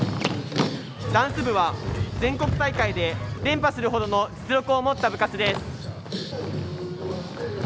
ダンス部は、全国大会で連覇するほどの実力を持った部活です。